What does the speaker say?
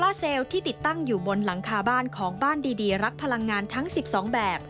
เซลลที่ติดตั้งอยู่บนหลังคาบ้านของบ้านดีรักพลังงานทั้ง๑๒แบบ